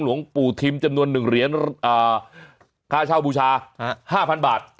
หลวงปู่ทิมจำนวน๑เหรียญค่าเช่าบูชา๕๐๐๐บาท